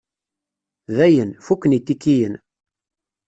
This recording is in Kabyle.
Dayen, fukken itikiyen.